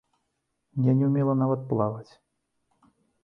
Я не ўмела нават плаваць!